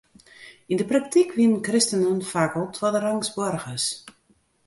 Yn de praktyk wienen kristenen faak wol twadderangs boargers.